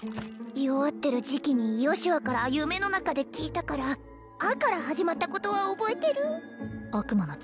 弱ってる時期にヨシュアから夢の中で聞いたから「あ」から始まったことは覚えてる悪魔の杖